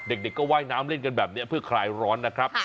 เด็กก็ว่ายน้ำเล่นกันแบบนี้เพื่อคลายร้อนนะครับ